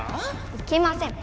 いけません。